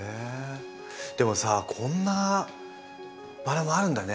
でもさこんなバラもあるんだね。